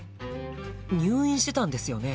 入院してたんですよね？